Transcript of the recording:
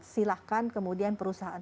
silahkan kemudian perusahaan